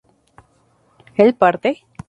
¿él parte?